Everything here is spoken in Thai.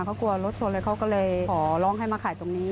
เขากลัวรถชนเลยเขาก็เลยขอร้องให้มาขายตรงนี้